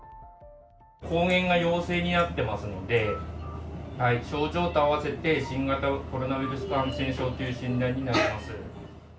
抗原が陽性になってますので、症状と合わせて新型コロナウイルス感染症という診断になっています。